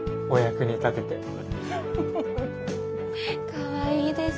かわいいです。